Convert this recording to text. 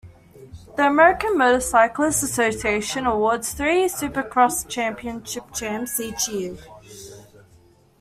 The American Motorcyclist Association awards three Supercross Championship Champs each year.